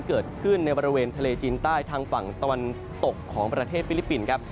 เกิดขึ้นในบริเวณทะเลจีนใต้ทางฝั่งตะวันตกของประเทศฟิลิปปินส์ครับ